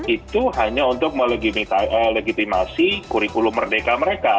itu hanya untuk melegitimasi kurikulum merdeka mereka